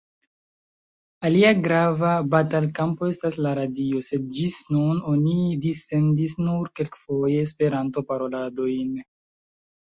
Alia grava batalkampo estas la radio, sed ĝis nun oni dissendis nur kelkfoje Esperanto-paroladojn.